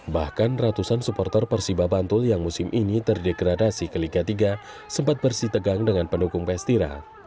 bahkan ratusan supporter persiba bantul yang musim ini terdegradasi ke liga tiga sempat bersih tegang dengan pendukung pstira